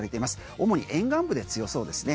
主に沿岸部で強そうですね。